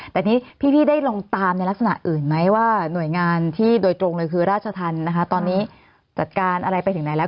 แต่นี่พี่ได้ลองตามในลักษณะอื่นไหมว่าหน่วยงานที่โดยตรงเลยคือราชธรรมนะคะตอนนี้จัดการอะไรไปถึงไหนแล้ว